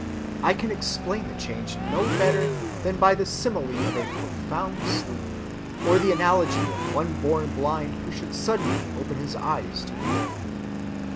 I can explain the change no better than by the simile of a profound sleep or the analogy of one born blind who should suddenly open his eyes to the day.